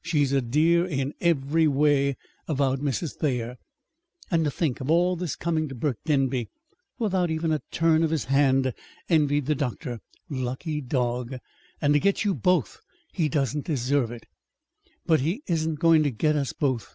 "She's a dear in every way," avowed Mrs. Thayer. "And to think of all this coming to Burke Denby, without even a turn of his hand," envied the doctor. "Lucky dog! And to get you both! He doesn't deserve it!" "But he isn't going to get us both!"